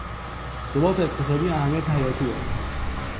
ثبات اقتصادی اهمیت حیاتی دارد.